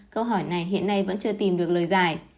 câu hỏi này hiện nay vẫn chưa tìm được lời giải